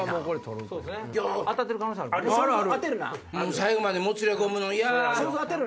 最後までもつれ込むの嫌！